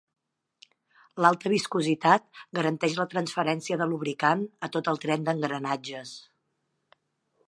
L'alta viscositat garanteix la transferència de lubricant a tot el tren d'engranatges.